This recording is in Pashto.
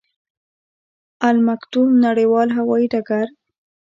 المکتوم نړیوال هوايي ډګر